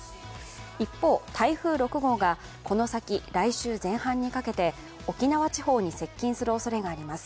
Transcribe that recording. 一方、台風６号がこの先来週前半にかけて、沖縄地方に接近するおそれがあります。